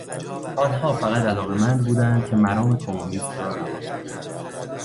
آنها فقط علاقمند بودند که مرام کمونیسم را رواج بدهند.